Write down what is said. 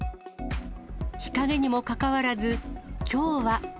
日陰にもかかわらず、きょうは。